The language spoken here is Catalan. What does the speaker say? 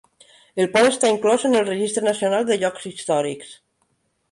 El pont està inclòs en el Registre Nacional de Llocs Històrics.